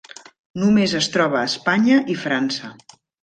Només es troba a Espanya i França.